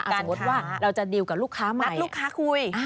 สมมุติว่าเราจะดีลกับลูกค้ามานัดลูกค้าคุย